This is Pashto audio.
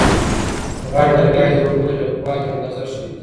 غاړې تر غاړې د اوبو د ډکوالي اندازه ښیي.